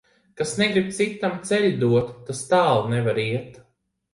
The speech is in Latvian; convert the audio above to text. Kas negrib citam ceļu dot, tas tālu nevar iet.